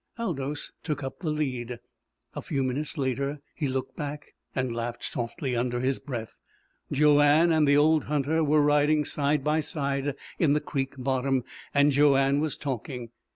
Aldous took up the lead. A few minutes later he looked back, and laughed softly under his breath. Joanne and the old hunter were riding side by side in the creek bottom, and Joanne was talking.